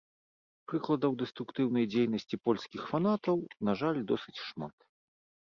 Прыкладаў дэструктыўнай дзейнасці польскіх фанатаў, на жаль, досыць шмат.